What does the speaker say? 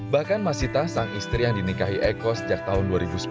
bahkan masita sang istri yang dinikahi eko sejak tahun dua ribu sepuluh